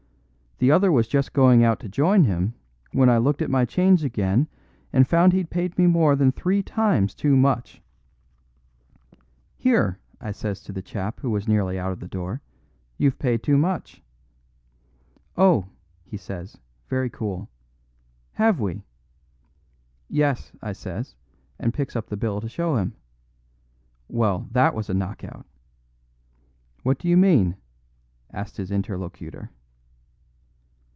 The other was just going out to join him when I looked at my change again and found he'd paid me more than three times too much. 'Here,' I says to the chap who was nearly out of the door, 'you've paid too much.' 'Oh,' he says, very cool, 'have we?' 'Yes,' I says, and picks up the bill to show him. Well, that was a knock out." "What do you mean?" asked his interlocutor.